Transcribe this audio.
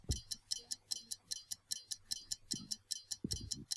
یا مخنیوی به خصمانه عمل وګڼل شي.